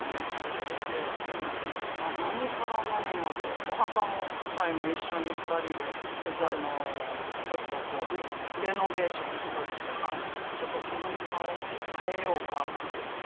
何から何までお墓も最後一緒に２人でちょっとリノベーションをしたりして母が「ちょっとこの床を替えようか？」なんて言って。